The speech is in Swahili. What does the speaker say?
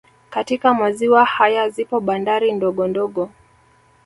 Katika maziwa haya zipo bandari ndogo ndogo